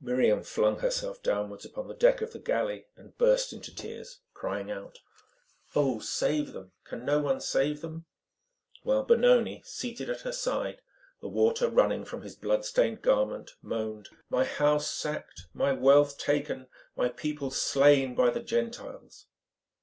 Miriam flung herself downwards upon the deck of the galley and burst into tears, crying out: "Oh! save them! Can no one save them?" while Benoni seated at her side, the water running from his blood stained garment, moaned: "My house sacked; my wealth taken; my people slain by the Gentiles!"